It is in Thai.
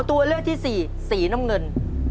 ตัวเลือกที่สี่สีน้ำเงิน